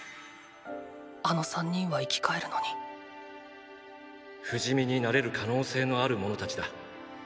あの３人は生き返るのに不死身になれる可能性のある者たちだ。